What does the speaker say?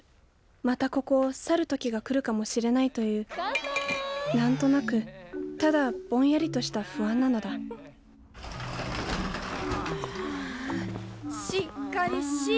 またここを去る時が来るかもしれないという何となくただぼんやりとした不安なのだしっかりしいや。